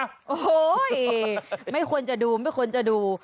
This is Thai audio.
โอ้โหไม่ควรจะดูไม่ควรจะดู